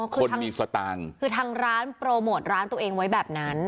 คนมีสตางค์คือทางร้านโปรโมทร้านตัวเองไว้แบบนั้น